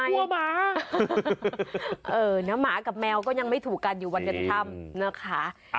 เนื้อหมากับเเมาก็ยังไม่ถูกกันอยู่บรรยานธรรมนะคะ